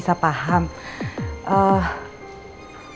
sampai jumpa lagi